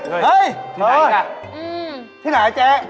ที่ไหนอีกล่ะที่ไหนเจ๊